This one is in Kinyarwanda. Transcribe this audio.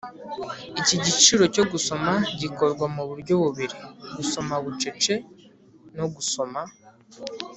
Iki kiciro cyo gusoma gikorwa mu buryo bubiri: gusoma bucece no gusoma